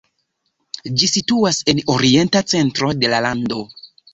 Ĝi situas en orienta centro de la lando.